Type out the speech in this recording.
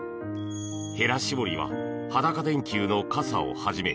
へら絞りは裸電球の傘をはじめ